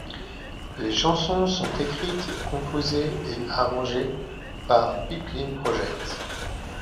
Les chansons sont écrites, composées et arrangés par Pipeline Project.